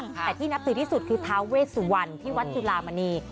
แต่ที่นับสิทธิสุดคือพระเวทสุวรรณที่วัฒน์ธุราบรรณี